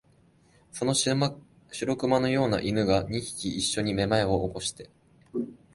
その白熊のような犬が、二匹いっしょにめまいを起こして、